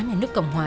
nhà nước cộng hòa